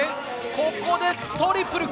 ここでトリプルか。